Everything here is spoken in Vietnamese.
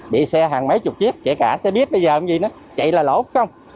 bị xe hàng mấy chục chiếc kể cả xe buýt bây giờ chạy là lỗ không